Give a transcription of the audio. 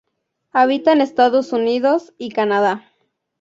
Habita en Estados Unidos y Canadá.